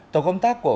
tổ công tác của